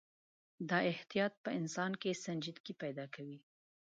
دا احتیاط په انسان کې سنجیدګي پیدا کوي.